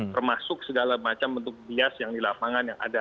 termasuk segala macam bentuk bias yang di lapangan yang ada